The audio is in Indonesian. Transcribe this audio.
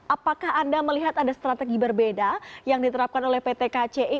apakah anda melihat ada strategi berbeda yang diterapkan oleh pt kci